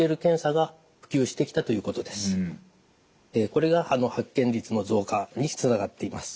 これが発見率の増加につながっています。